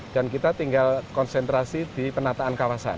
dan kita tinggal konsentrasi di penataan kawasan